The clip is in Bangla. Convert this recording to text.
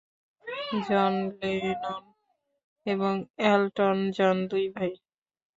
জন লেনন এবং এলটন জন দুই ভাই।